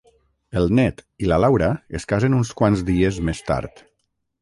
El Ned i la Laura es casen uns quants dies més tard.